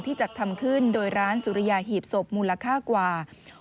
จัดทำขึ้นโดยร้านสุริยาหีบศพมูลค่ากว่า